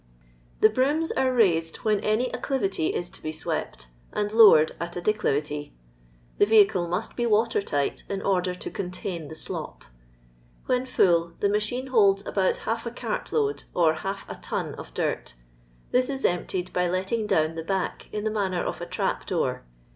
The brooms are raised when any acclivity is to be swept, and lowered at a declivity. The vehicle mu^it be water tight, in order to contain the slop. When full the machine holds about half a cart load or half a ton of dirt ; this is emptied by letting down the back in the manner of a trap door.